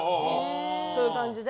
そういう感じで。